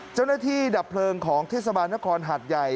เจ้าหน้าที่ดับเพลิงของเทศบาลนครหัดใหญ่